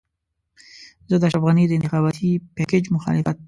زه د اشرف غني د انتخاباتي پېکج مخالفت.